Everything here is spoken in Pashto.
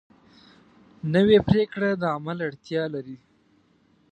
نوې پریکړه د عمل اړتیا لري